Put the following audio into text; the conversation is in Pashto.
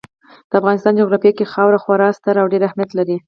د افغانستان جغرافیه کې خاوره خورا ستر او ډېر اهمیت لري.